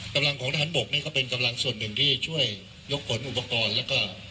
กำลังของทหารบกนี่ก็เป็นกำลังส่วนหนึ่งที่ช่วยยกผลอุปกรณ์แล้วก็